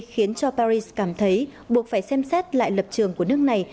khiến cho paris cảm thấy buộc phải xem xét lại lập trường của nước này